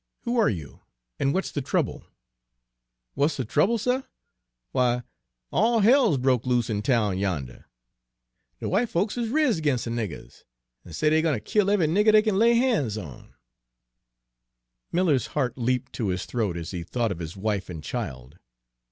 Who are you, and what's the trouble?" "What's de trouble, suh? Why, all hell's broke loose in town yonduh. De w'ite folks is riz 'gins' de niggers, an' say dey're gwine ter kill eve'y nigger dey kin lay han's on." Miller's heart leaped to his throat, as he thought of his wife and child.